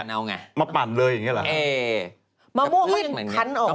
ส่วนอ่างส่วนอ่างออก